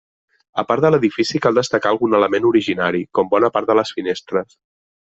A part de l'edifici, cal destacar algun element originari, com bona part de les finestres.